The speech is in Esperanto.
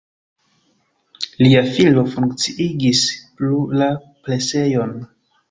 Lia filo funkciigis plu la presejon.